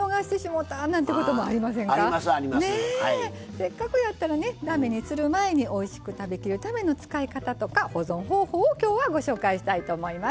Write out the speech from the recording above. せっかくやったらね駄目にする前においしく食べきるための使い方とか保存方法を今日はご紹介したいと思います。